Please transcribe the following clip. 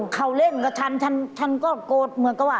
เขาเล่นกับฉันฉันก็โกรธเหมือนกับว่า